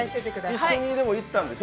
一緒に行ったんでしょ？